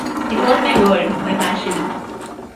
It was my world, my passion.